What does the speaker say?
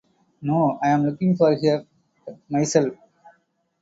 No, I'm looking for her myself.